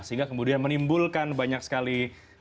sehingga kemudian menimbulkan banyak sekali